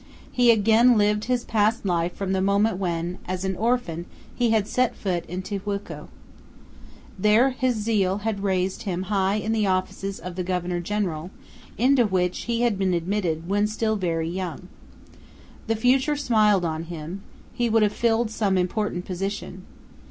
He again lived his past life from the moment when, as an orphan, he had set foot in Tijuco. There his zeal had raised him high in the offices of the governor general, into which he had been admitted when still very young. The future smiled on him; he would have filled some important position.